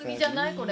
これ。